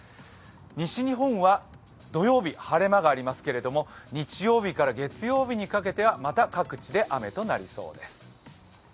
西日本は土曜日晴れ間がありますけれども日曜日から月曜日にかけては、また各地で雨となりそうです。